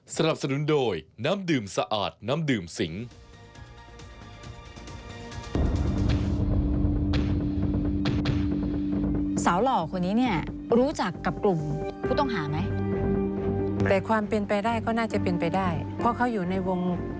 สนับสนุนโดยน้ำดื่มสะอาดน้ำดื่มสิง